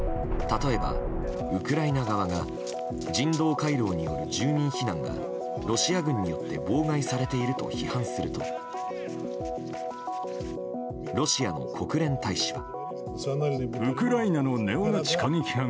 例えば、ウクライナ側が人道回廊による住民避難がロシア軍によって妨害されていると批判するとロシアの国連大使は。